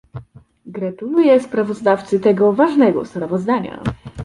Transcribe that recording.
Gratuluję sprawozdawcy tego ważnego sprawozdania